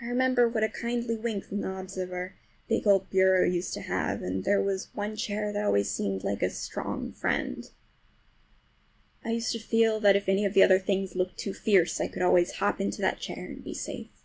I remember what a kindly wink the knobs of our big old bureau used to have, and there was one chair that always seemed like a strong friend. I used to feel that if any of the other things looked too fierce I could always hop into that chair and be safe.